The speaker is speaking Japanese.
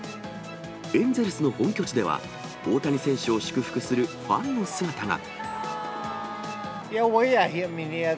エンゼルスの本拠地では、大谷選手を祝福するファンの姿が。